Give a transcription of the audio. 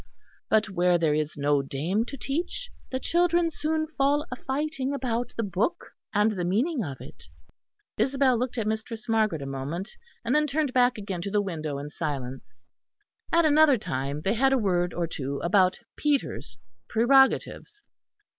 But where there is no dame to teach, the children soon fall a fighting about the book and the meaning of it." Isabel looked at Mistress Margaret a moment, and then turned back again to the window in silence. At another time they had a word or two about Peter's prerogatives.